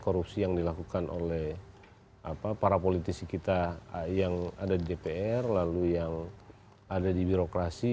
korupsi yang dilakukan oleh para politisi kita yang ada di dpr lalu yang ada di birokrasi